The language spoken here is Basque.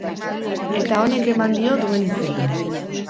Eta honek eman dio duen izena.